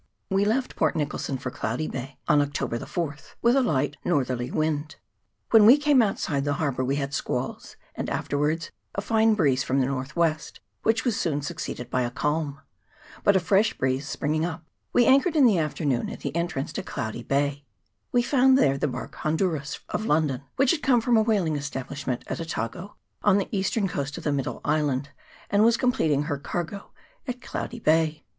We left Port Nicholson for Cloudy Bay on Octo ber the 4th, with a light northerly wind. When we came outside the harbour we had squalls, and afterwards a fine breeze from the north west, which was soon succeeded by a calm ; but a fresh breeze springing up, we anchored in the afternoon at the entrance to Cloudy Bay, We found there the barque Honduras, of London, which had come from a whaling establishment at Otago, on the eastern coast of the middle island, and was completing her cargo at Cloudy Bay.